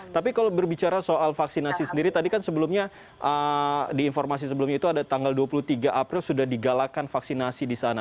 tapi kalau berbicara soal vaksinasi sendiri tadi kan sebelumnya di informasi sebelumnya itu ada tanggal dua puluh tiga april sudah digalakan vaksinasi di sana